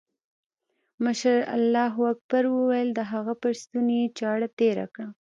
مشر الله اکبر وويل د هغه پر ستوني يې چاړه تېره کړه.